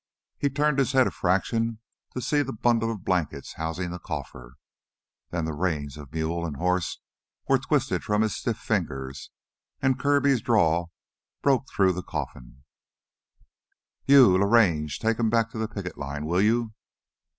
He turned his head a fraction to see the bundle of blankets housing the cougher. Then the reins of mule and horse were twisted from his stiff fingers, and Kirby's drawl broke through the coughing. "You, Larange, take 'em back to the picket line, will you?"